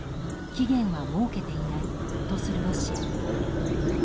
期限は設けていないとするロシア。